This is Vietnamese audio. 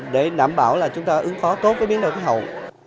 để đảm bảo là chúng ta ứng phó tốt với biến đổi khí hậu